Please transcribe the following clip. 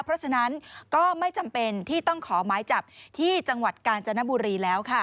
เพราะฉะนั้นก็ไม่จำเป็นที่ต้องขอหมายจับที่จังหวัดกาญจนบุรีแล้วค่ะ